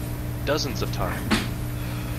Dozens of times.